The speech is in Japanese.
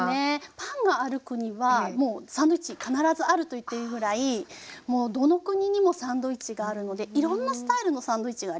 パンがある国はもうサンドイッチ必ずあると言っていいぐらいもうどの国にもサンドイッチがあるのでいろんなスタイルのサンドイッチがありますよね。